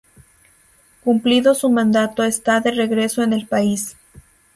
Cumplido su mandato está de regreso en el país.